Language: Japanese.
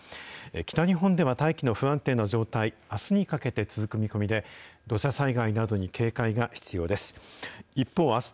北日本では大気の不安定な状態、あすにかけて続く見込みで、土砂災害などに警戒が必要です。